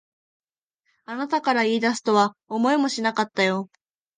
あなたから言い出すとは思いもしなかったよ。